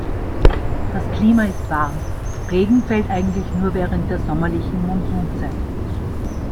Das Klima ist warm; regen fällt eigentlich nur während der sommerlichen Monsunzeit.